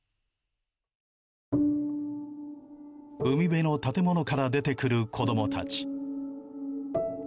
海辺の建物から出てくる子供たち。